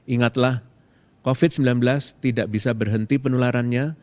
ingatlah covid sembilan belas tidak bisa berhenti penularannya